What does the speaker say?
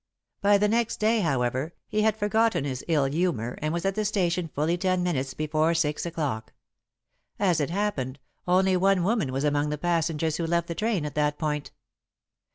By the next day, however, he had forgotten his ill humour and was at the station fully ten minutes before six o'clock. As it happened, only one woman was among the passengers who left the train at that point.